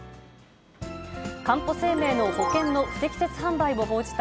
かんぽ生命の保険の不適切販売を報じた